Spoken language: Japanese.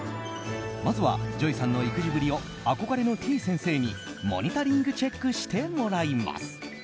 まずはＪＯＹさんの育児ぶりを憧れの、てぃ先生にモニタリングチェックしてもらいます。